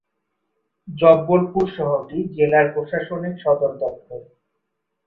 জব্বলপুর শহরটি জেলার প্রশাসনিক সদরদপ্তর।